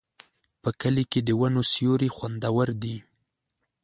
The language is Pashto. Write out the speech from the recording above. په کلي کې د ونو سیوري خوندور دي.